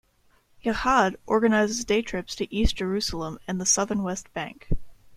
Yachad organizes day trips to East Jerusalem and the southern West Bank.